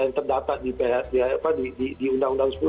yang terdaftar di undang undang sepuluh tahun dua ribu sembilan belas